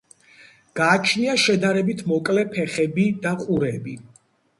გააჩნია შედარებით მოკლე ფეხები და ყურები.